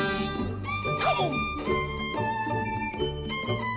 カモン！